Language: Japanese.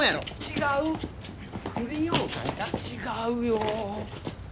違うよ。